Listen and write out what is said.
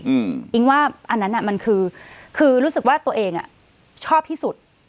อิ๊งว่าอันนั้นอ่ะมันคือคือรู้สึกว่าตัวเองอ่ะชอบที่สุด